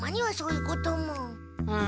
うん。